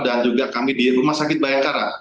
dan juga kami di rumah sakit bayakara